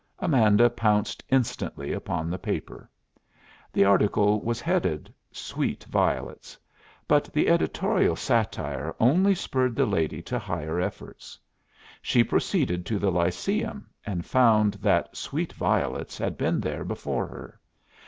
Amanda pounced instantly upon the paper. The article was headed "Sweet Violets." But the editorial satire only spurred the lady to higher efforts. She proceeded to the Lyceum, and found that "Sweet Violets" had been there before her.